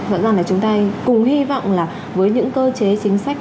rõ ràng là chúng ta cùng hy vọng là với những cơ chế chính sách